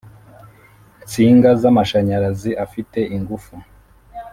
nsinga z amashanyarazi afite ingufu